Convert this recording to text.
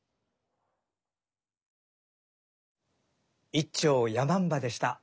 一調「山姥」でした。